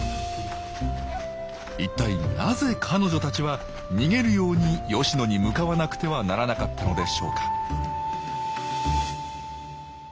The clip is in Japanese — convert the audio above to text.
一体なぜ彼女たちは逃げるように吉野に向かわなくてはならなかったのでしょうか